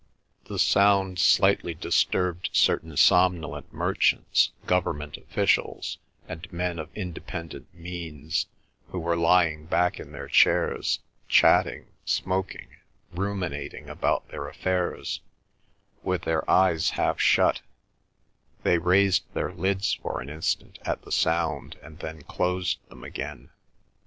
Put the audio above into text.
The sound slightly disturbed certain somnolent merchants, government officials, and men of independent means who were lying back in their chairs, chatting, smoking, ruminating about their affairs, with their eyes half shut; they raised their lids for an instant at the sound and then closed them again.